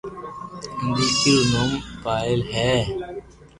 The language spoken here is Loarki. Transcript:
ديڪري رو نوم پايل ھي